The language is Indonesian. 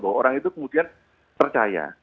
bahwa orang itu kemudian percaya